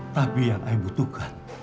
tapi yang i butuhkan